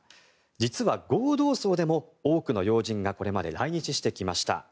実は合同葬でも多くの要人がこれまで来日してきました。